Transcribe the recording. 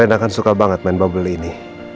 enak kan suka banget main bubble ini